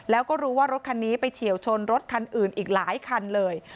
แล้วก็รู้ว่ารถคันนี้ไปเฉียวชนรถคันอื่นอีกหลายคันเลย